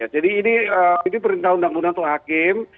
jadi ini perintah undang undang untuk hakim